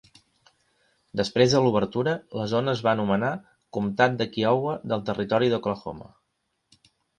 Després de l'obertura, la zona es va anomenar Comtat de Kiowa del Territori d'Oklahoma.